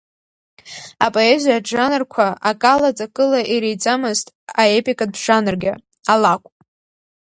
Апоезиатә жанрқәа акала ҵакыла иреиҵамызт аепикатә жанргьы алакә.